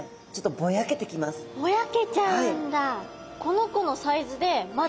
ぼやけちゃうんだ。